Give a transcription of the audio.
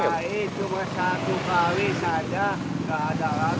pt kai cuma satu kali saja nggak ada alarm